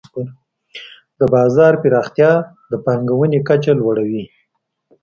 د بازار پراختیا د پانګونې کچه لوړوي.